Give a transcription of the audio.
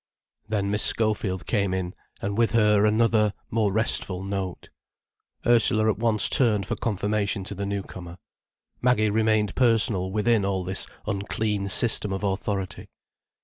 Then Miss Schofield came in, and with her another, more restful note. Ursula at once turned for confirmation to the newcomer. Maggie remained personal within all this unclean system of authority.